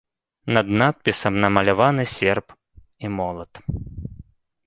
Над надпісам намаляваны серп і молат.